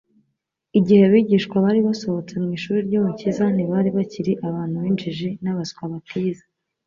Igihe abigishwa bari basohotse mu ishuri ry'Umukiza ntibari bakiri abantu b'injiji n'abaswa batize.